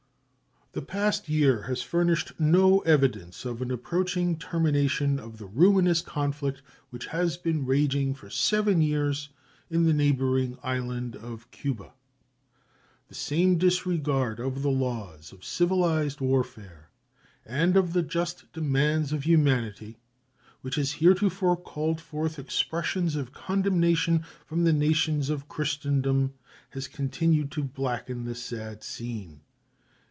The past year has furnished no evidence of an approaching termination of the ruinous conflict which has been raging for seven years in the neighboring island of Cuba. The same disregard of the laws of civilized warfare and of the just demands of humanity which has heretofore called forth expressions of condemnation from the nations of Christendom has continued to blacken the sad scene.